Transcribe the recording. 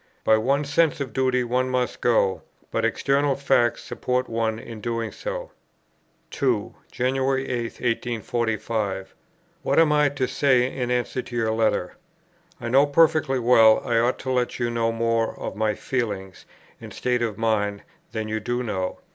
By one's sense of duty one must go; but external facts support one in doing so." 2. "January 8, 1845. What am I to say in answer to your letter? I know perfectly well, I ought to let you know more of my feelings and state of mind than you do know.